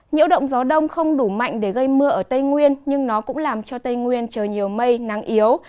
nhiễu động gió đông không đủ mạnh để gây mưa ở tây nguyên nhưng nó cũng làm cho tây nguyên trời nhiều mây nắng yếu